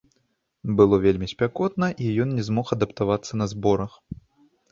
Было вельмі спякотна, і ён не змог адаптавацца на зборах.